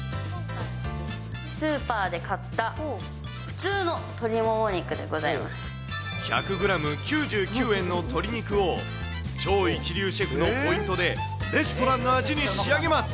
スーパーで買った普通の鶏も１００グラム９９円の鶏肉を、超一流シェフのポイントでレストランの味に仕上げます。